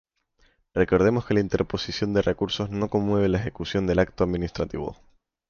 Recordemos que la interposición de recursos no conmueve la ejecución del acto administrativo.